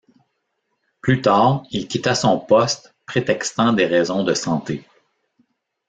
Plus tard, il quitta son poste prétextant des raisons de santé.